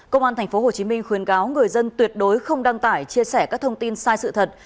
công an tp hcm khuyến cáo người dân tuyệt đối không đăng tải chia sẻ các thông tin sai sự thật